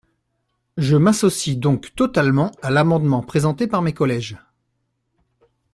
Je m’associe donc totalement à l’amendement présenté par mes collèges.